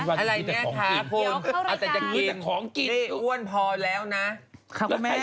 มันแมชกันยิ่งกว่าคุณแม่